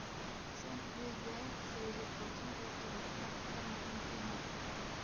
Trent ব্রিজে সিরিজের প্রথম টেস্টে দক্ষিণ আফ্রিকার মুখোমুখি হন।